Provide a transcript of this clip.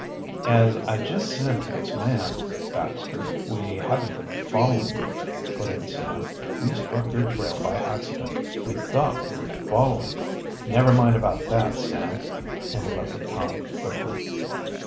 "As I just said to this man, Baxter, we haven't been following you," put in Sam. "We struck your trail by accident. We thought we were following " "Never mind about that, Sam," interrupted Tom quickly.